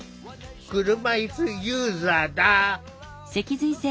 車いすユーザーだ。